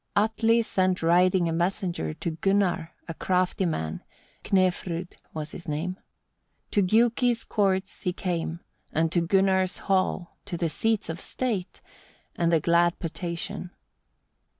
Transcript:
1. Atli sent riding a messenger to Gunnar, a crafty man, Knefrud was his name. To Giuki's courts he came, and to Gunnar's hall, to the seats of state, and the glad potation: 2.